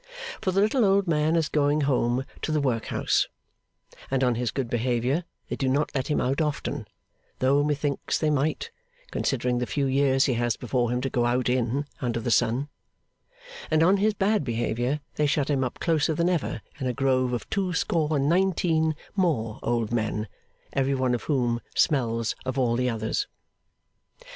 For the little old man is going home to the Workhouse; and on his good behaviour they do not let him out often (though methinks they might, considering the few years he has before him to go out in, under the sun); and on his bad behaviour they shut him up closer than ever in a grove of two score and nineteen more old men, every one of whom smells of all the others.